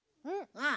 うん。